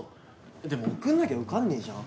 でも送んなきゃ受かんねぇじゃん。